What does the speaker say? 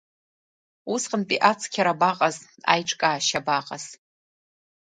Усҟантәи ацқьара абаҟаз, аиҿкаашьа абаҟаз.